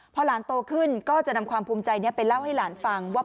พอหลานโตขึ้นก็จะนำความภูมิใจนี้ไปเล่าให้หลานฟังว่า